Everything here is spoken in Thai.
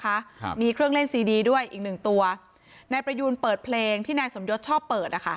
ครับมีเครื่องเล่นซีดีด้วยอีกหนึ่งตัวนายประยูนเปิดเพลงที่นายสมยศชอบเปิดอ่ะค่ะ